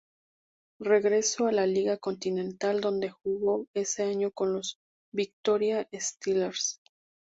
Regresó a la Liga Continental, donde jugó ese año con los Victoria Steelers.